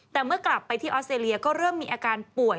แต่เมื่อกลับไปที่ออสเตรเลียก็เริ่มมีอาการป่วย